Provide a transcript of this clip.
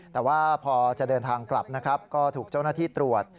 แต่ว่าพอจะเดินทางกลับนะครับก็ถูกเจ้าหน้าที่ตรวจ